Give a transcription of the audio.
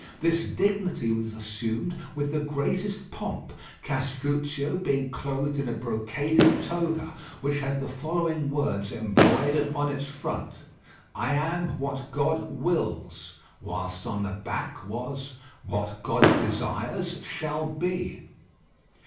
This dignity was assumed with the greatest pomp, Castruccio being clothed in a brocaded toga, which had the following words embroidered on its front: "I am what God wills." Whilst on the back was: "What God desires shall be."